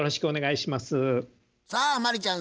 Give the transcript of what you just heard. さあ真理ちゃん